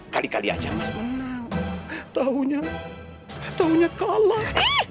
kali kali aja mas menang tahunya tahunya kalah